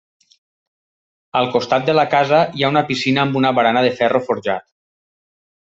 Al costat de la casa, hi ha una piscina amb una barana de ferro forjat.